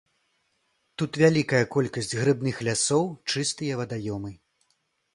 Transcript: Тут вялікая колькасць грыбных лясоў, чыстыя вадаёмы.